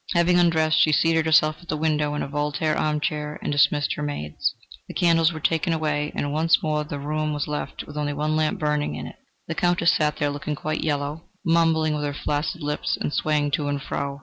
Having undressed, she seated herself at the window in a Voltaire armchair and dismissed her maids. The candles were taken away, and once more the room was left with only one lamp burning in it. The Countess sat there looking quite yellow, mumbling with her flaccid lips and swaying to and fro.